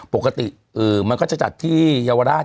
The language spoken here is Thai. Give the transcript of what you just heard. ปกติมันก็จะจัดที่เยาวราช